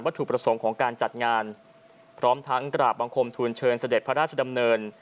ถูกประสงค์ของการจัดงานพร้อมทั้งกราบบังคมทูลเชิญเสด็จพระราชดำเนิน